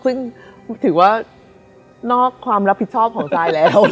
ซึ่งถือว่านอกความรับผิดชอบของซายแล้ว